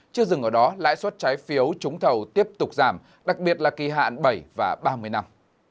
chưa dừng ở đó lãi suất trái phiếu trúng thầu tiếp tục giảm đặc biệt là kỳ hạn bảy và ba mươi năm